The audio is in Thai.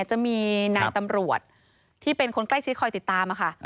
จะมีนายตำรวจที่เป็นคนใกล้ชิดคอยติดตามค่ะ